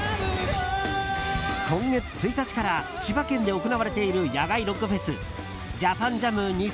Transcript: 今月１日から千葉県で行われている野外ロックフェス